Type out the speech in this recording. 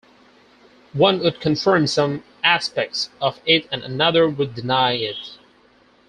One would confirm some aspects of it and another would deny it.